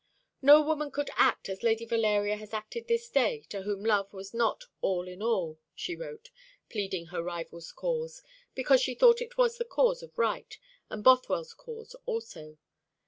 "No woman could act as Lady Valeria has acted this day to whom love was not all in all," she wrote, pleading her rival's cause, because she thought it was the cause of right, and Bothwell's cause also.